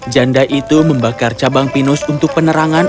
janda itu membakar cabang pinus untuk penerangan